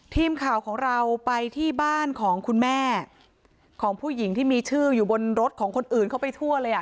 ทีมข่าวของเราไปที่บ้านของคุณแม่ของผู้หญิงที่มีชื่ออยู่บนรถของคนอื่นเข้าไปทั่วเลยอ่ะ